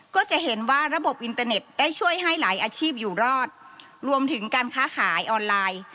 ก็จะเห็นว่าระบบอินเตอร์เน็ตได้ช่วยให้หลายอาชีพอยู่รอดรวมถึงการค้าขายออนไลน์